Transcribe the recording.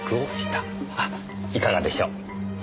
いかがでしょう？